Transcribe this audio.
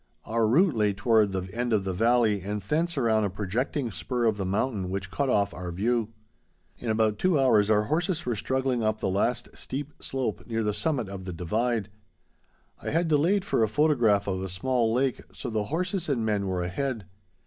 Our route lay toward the end of the valley and thence around a projecting spur of the mountain which cut off our view. In about two hours our horses were struggling up the last steep slope near the summit of the divide. I had delayed for a photograph of a small lake, so the horses and men were ahead.